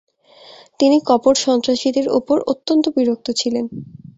তিনি কপট সন্ন্যাসীদের উপর অত্যন্ত বিরক্ত ছিলেন।